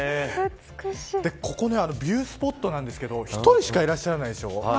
ここビュースポットなんですけど１人しかいらっしゃらないでしょ。